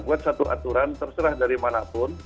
buat satu aturan terserah dari mana pun